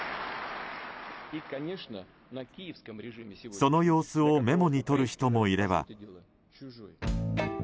その様子をメモに取る人もいれば。